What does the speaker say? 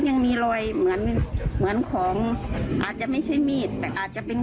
ยังมีรอยเหมือนเหมือนของอาจจะไม่ใช่มีดแต่อาจจะเป็น